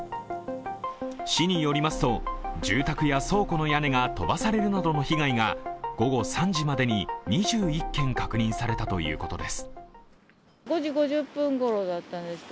市によりますと、住宅や倉庫の屋根が飛ばされるなどの被害が午後３時までに２１件確認されたということです。